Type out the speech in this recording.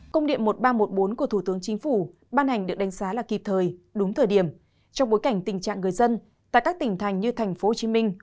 công điện một nghìn ba trăm một mươi bốn của thủ tướng chính phủ ban hành được đánh giá là kịp thời đúng thời điểm trong bối cảnh tình trạng người dân tại các tỉnh thành như thành phố hồ chí minh